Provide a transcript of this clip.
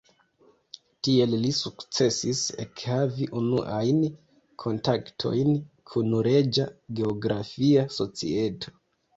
Tiel li sukcesis ekhavi unuajn kontaktojn kun Reĝa Geografia Societo.